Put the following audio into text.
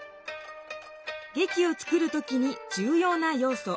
劇を作る時に重要な要素。